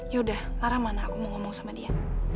yaudah larang mana aku mau ngomong sama dia